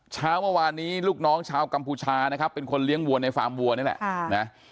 เช้าเมื่อวานนี้ลูกน้องชาวกัมพูชานะครับเป็นคนเลี้ยงวัวในฟาร์มวัวนี่แหละนะ